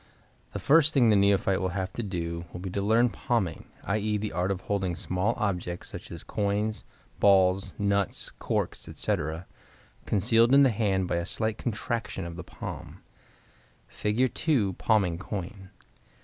—The first thing the neophyte will have to do will be to learn palming, i.e., the art of holding small objects, such as coins, balls, nuts, corks, etc., concealed in the hand by a slight contraction of the palm. Fig. 2. Palming Coin.